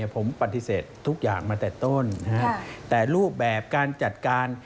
ผมปฏิเสธทุกอย่างมาแต่ต้นแต่รูปแบบการจัดการ